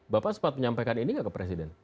bapak sempat menyampaikan ini nggak ke presiden